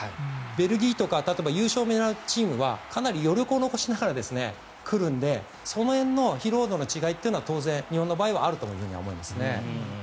ベルギーとか優勝を狙うチームはかなり余力を残しながら来るのでその辺の疲労度の違いというのは当然、日本の場合はあると思います。